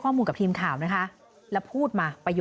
คุยกับตำรวจเนี่ยคุยกับตำรวจเนี่ย